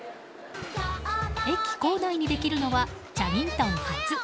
駅構内にできるのは「チャギントン」初。